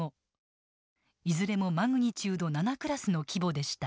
いずれもマグニチュード７．０クラスの規模でした。